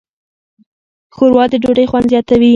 ښوروا د ډوډۍ خوند زیاتوي.